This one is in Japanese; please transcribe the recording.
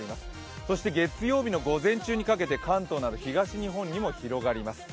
そして月曜日の午前中にかけて、関東などにも広がります。